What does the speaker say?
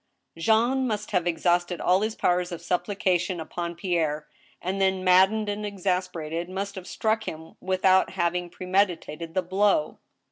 Jean must have exhausted all his powers of supplication upon Pierre, and then, maddened and exasperated, must have struck him without having premeditated the blow.